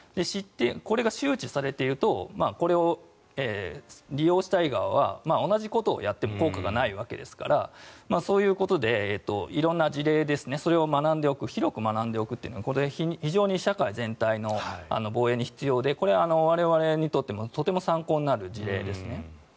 これが周知されているとこれを利用したい側は同じことをやっても効果がないわけですからそういうことで色んな事例を学んでおく広く学んでおくということで非常に社会全体の防衛に必要でこれは我々にとってもとても参考になる事例ですね。